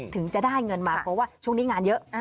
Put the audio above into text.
ถึงจะได้เงินมาเพราะว่าช่วงนี้งานเยอะ